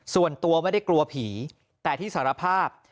ส่วนตัวไม่ได้กลัวผีแต่ที่สารภาพ